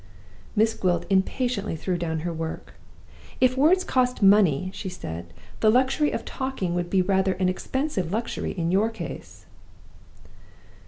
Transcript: Miss Gwilt impatiently threw down her work. "If words cost money," she said, "the luxury of talking would be rather an expensive luxury in your case!"